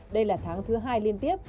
đây là tháng thứ hai liên tiếp